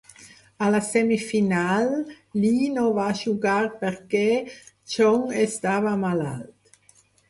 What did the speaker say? A la semifinal, Lee no va jugar perquè Choong estava malalt.